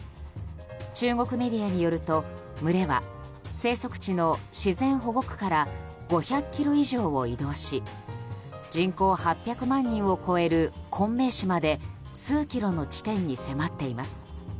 中国メディアによると群れは、生息地の自然保護区から５００ｋｍ以上を移動し人口８００万人を超える昆明市まで数キロの地点に迫っています。